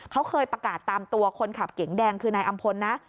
เขาเคยประกาศตามตัวคนขับเก๋งแดงคือนายอำพลนะ